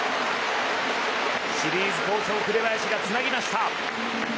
シリーズ好調紅林がつなぎました。